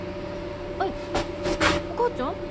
アイお母ちゃん？